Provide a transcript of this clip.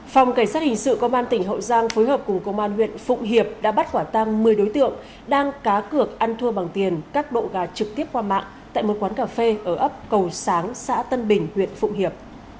phòng cảnh sát hình sự công an tỉnh hậu giang phối hợp cùng công an huyện phụng hiệp đã bắt quả tăng một mươi đối tượng đang cá cược ăn thua bằng tiền các độ gà trực tiếp qua mạng tại một quán cà phê ở ấp cầu sáng xã tân bình huyện phụng hiệp